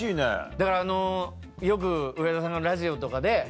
だからあのよく上田さんがラジオとかで